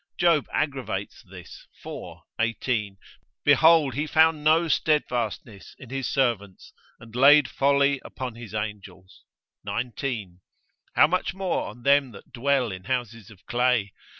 Job aggravates this, iv. 18, Behold he found no steadfastness in his servants, and laid folly upon his angels; 19. How much more on them that dwell in houses of clay?